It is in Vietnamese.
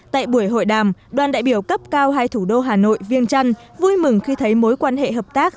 tại buổi hội đàm đoàn đại biểu cấp cao hai thủ đô hà nội viêng trăn vui mừng khi thấy mối quan hệ hợp tác